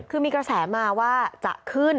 คือมีกระแสมาว่าจะขึ้น